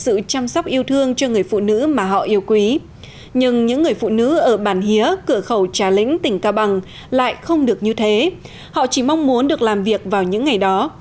ngày nam giới thể hiện sự chăm sóc yêu thương cho người phụ nữ mà họ yêu quý nhưng những người phụ nữ ở bản hía cửa khẩu trà lĩnh tỉnh cao bằng lại không được như thế họ chỉ mong muốn được làm việc vào những ngày đó